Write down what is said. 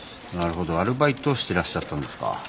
なるほどアルバイトをしてらっしゃったんですか。